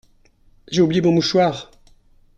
J’ai oublié mon mouchoir !…